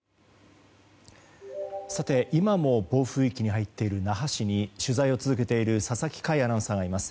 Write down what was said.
今も暴風域に入っている那覇市に取材を続けている佐々木快アナウンサーがいます。